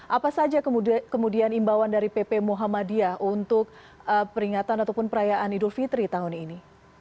apa saja kemudian imbauan dari pp muhammadiyah untuk peringatan ataupun perayaan idul fitri tahun ini